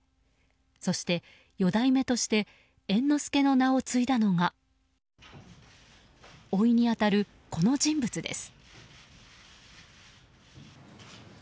そして四代目として猿之助の名を継いだのがおいに当たるこの人物です。